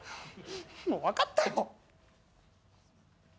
もう分かったよ。